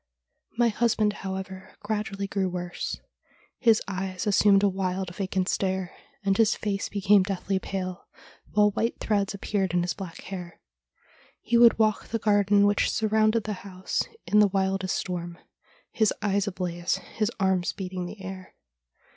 My husband, however, gradually grew worse. His eyes assumed a wild, vacant stare, and his face became deathly pale, while white threads appeared in his black hair. He would walk the garden which surrounded the house in the wildest storm, his eyes ablaze, his arms beating the air.